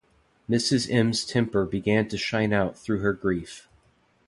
Mrs M's temper began to shine out through her grief.